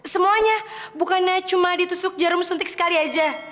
semuanya bukannya cuma ditusuk jarum suntik sekali aja